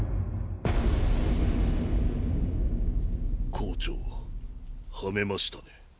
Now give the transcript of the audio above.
校長ハメましたね！？